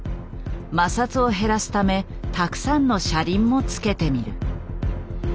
摩擦を減らすためたくさんの車輪もつけてみる。